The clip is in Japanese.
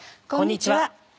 こんにちは。